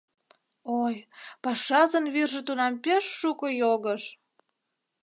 Ой, пашазын вӱржӧ тунам пеш шуко йогыш!..